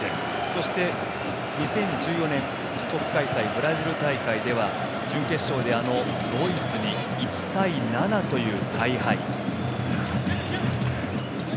そして、２０１４年自国開催、ブラジル大会では準決勝でドイツに１対７という大敗。